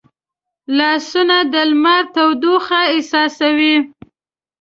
لاسونه د لمري تودوخه احساسوي